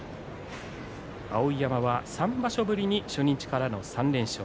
碧山は３場所ぶりに初日からの３連勝。